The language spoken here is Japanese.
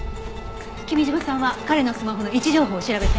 君嶋さんは彼のスマホの位置情報を調べて。